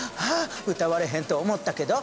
歌われへんと思ったけど。